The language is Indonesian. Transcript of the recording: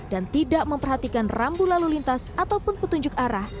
dan tidak memperhatikan rambu lalu lintas ataupun petunjuk arah